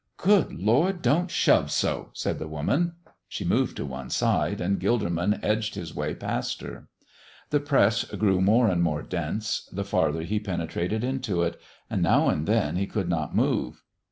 "Good Lord, don't shove so!" said the woman. She moved to one side, and Gilderman edged his way past her. The press grew more and more dense the farther he penetrated into it, and now and then he could not move.